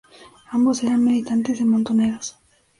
Ambos eran militantes de Montoneros.